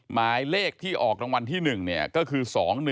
หมายเลขที่ออกรางวัลที่๑ก็คือ๒๑๒